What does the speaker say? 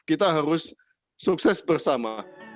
kita harus sukses bersama